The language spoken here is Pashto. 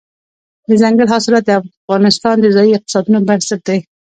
دځنګل حاصلات د افغانستان د ځایي اقتصادونو بنسټ دی.